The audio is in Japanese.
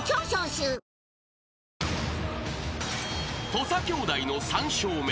［土佐兄弟の３笑目］